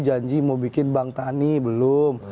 janji mau bikin bank tani belum